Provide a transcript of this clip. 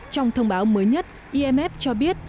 trong thông báo mới nhất imf cho biết